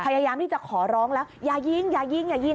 พยายามที่จะขอร้องแล้วอย่ายิงอย่ายิงอย่ายิง